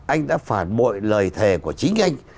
anh đã phản bội lời thề của chính anh